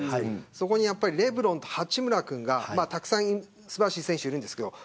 そこにレブロンと八村君が素晴らしい選手たくさんいますけど。